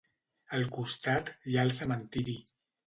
Al costat, hi ha el cementiri.